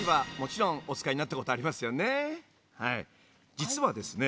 実はですね